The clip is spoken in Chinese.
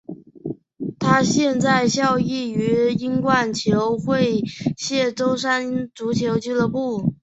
他现在效力于英冠球会谢周三足球俱乐部。